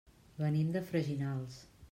Venim de Freginals.